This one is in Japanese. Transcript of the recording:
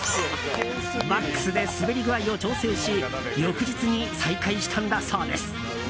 ワックスで滑り具合を調整し翌日に再開したんだそうです。